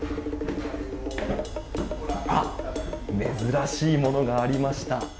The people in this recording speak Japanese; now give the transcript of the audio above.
あっ、珍しいものがありました。